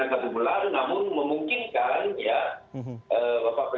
agar tidak terlalu memusuhkan masyarakat